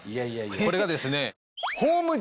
これがですね。